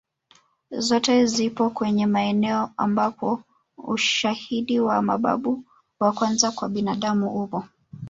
Zote zipo kwenye maeneo ambapo ushahidi wa mababu wa kwanza kwa binadamu upo